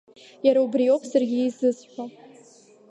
Иара убриоуп саргьы изысҳәо!